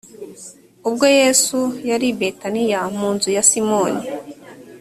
ubwo yesu yari i betaniya mu nzu ya simoni